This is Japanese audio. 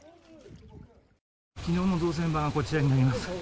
昨日の造船所がこちらになります。